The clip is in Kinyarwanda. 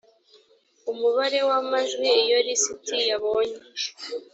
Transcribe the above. umubare w amajwi iyo lisiti yabonye